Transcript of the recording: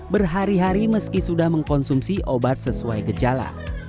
berhari hari meski sudah mengkonsumsi obat sesuai gejala